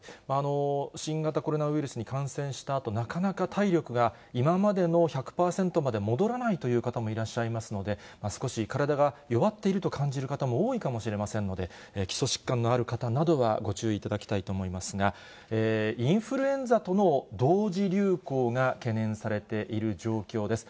新型コロナウイルスに感染したあと、なかなか体力が今までの１００％まで戻らないという方もいらっしゃいますので、少し体が弱っていると感じる方も多いかもしれませんので、基礎疾患のある方などは、ご注意いただきたいと思いますが、インフルエンザとの同時流行が懸念されている状況です。